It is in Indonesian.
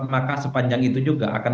maka sepanjang itu juga akan